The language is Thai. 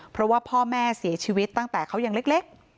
เพราะว่าพ่อแม่เสียชีวิตตั้งแต่เขายังเล็ก